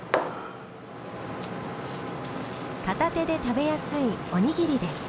片手で食べやすいおにぎりです。